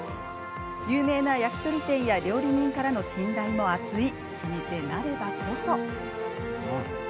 有名な焼き鳥店や料理人からの信頼も厚い老舗なればこそ。